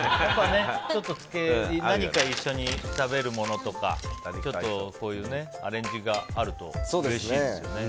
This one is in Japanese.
ちょっと何か一緒に食べるものとかこういうアレンジがあるとうれしいですね。